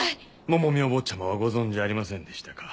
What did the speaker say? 百美お坊ちゃまはご存じありませんでしたか。